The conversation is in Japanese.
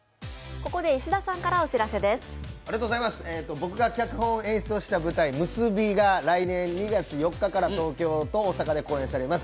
僕が脚本・演出をした舞台「結−ＭＵＳＵＢＩ−」が来年２月４日から東京と大阪で公演されます。